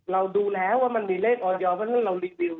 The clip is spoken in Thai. เราดูแล้วว่ามันมีเลขออยอร์เพราะฉะนั้นเรารีวิว